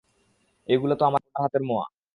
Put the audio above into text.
এইগুলো তো আমার হাতের মোয়া।